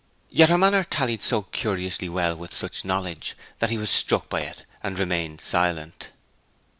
Yet her manner tallied so curiously well with such knowledge that he was struck by it, and remained silent.